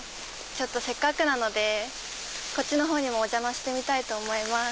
せっかくなのでこっちのほうにもお邪魔してみたいと思います。